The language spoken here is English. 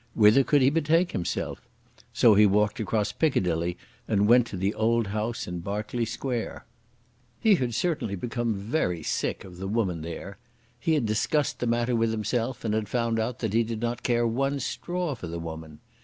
Whither could he betake himself? So he walked across Piccadilly and went to the old house in Berkeley Square. He had certainly become very sick of the woman there. He had discussed the matter with himself and had found out that he did not care one straw for the woman.